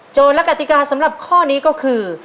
และกติกาสำหรับข้อนี้ก็คือ